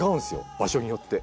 場所によって。